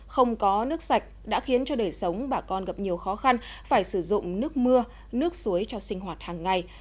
không có nước sạch đã khiến cho đời sống bà con gặp nhiều khó khăn phải sử dụng nước mưa nước suối cho sinh hoạt hàng ngày